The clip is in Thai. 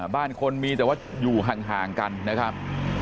บ้านคนมีแต่ว่าอยู่ห่างกันนะครับ